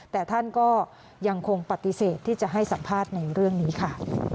แต่ท่านก็ยังคงปฏิเสธที่จะให้สัมภาษณ์ในเรื่องนี้ค่ะ